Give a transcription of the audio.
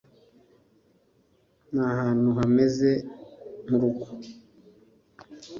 ntahantu hameze nk'urugo.